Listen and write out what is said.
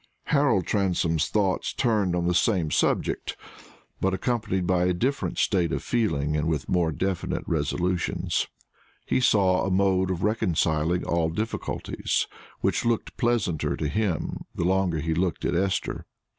Harold Transome's thoughts turned on the same subject, but accompanied by a different state of feeling and with more definite resolutions. He saw a mode of reconciling all difficulties, which looked pleasanter to him the longer he looked at Esther.